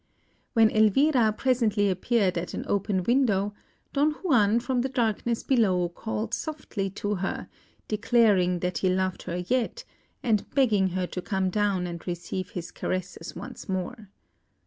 When Elvira presently appeared at an open window, Don Juan from the darkness below called softly to her, declaring that he loved her yet, and begging her to come down and receive his caresses once more.